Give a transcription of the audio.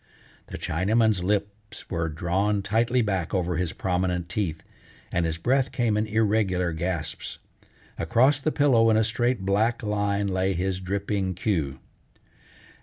The Chinaman's lips were drawn tightly back over his prominent teeth, and his breath came in irregular gasps. Across the pillow in a straight black line lay his dripping queque.